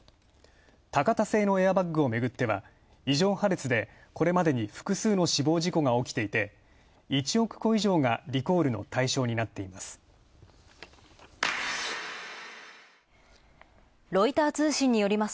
タカタ製のエアバッグをめぐっては異常破裂でこれまで複数の死亡事故が起きていて、１億個以上がリコールの対象になっています。